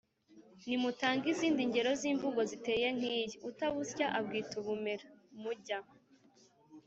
nimutange izindi ngero z’imvugo ziteye nk’iyi “utabusya abwita ubumera” mujya